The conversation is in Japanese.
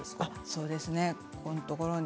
そうですね。